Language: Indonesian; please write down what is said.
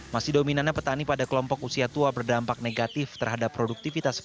masih dominannya petani pada kelompok usia tua berdampak negatif terhadap produktivitas